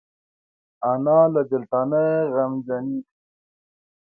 انا له بیلتانه غمجنېږي